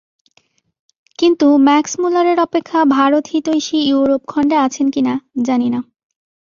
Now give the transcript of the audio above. কিন্তু ম্যাক্সমূলারের অপেক্ষা ভারতহিতৈষী ইউরোপখণ্ডে আছেন কিনা, জানি না।